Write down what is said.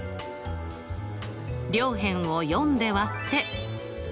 両辺を４で割って。